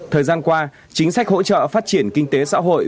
thời gian qua chính sách hỗ trợ phát triển kinh tế xã hội